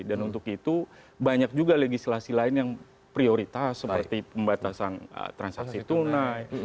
dan untuk itu banyak juga legislasi lain yang prioritas seperti pembatasan transaksi tunai